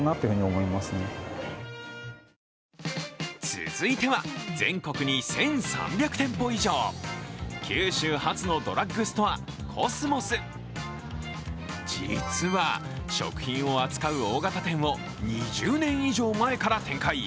続いては全国に１３００店舗以上、九州発のドラッグストア、コスモス実は、食品を扱う大型店を２０年以上前から展開。